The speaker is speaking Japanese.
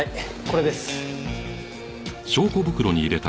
これです。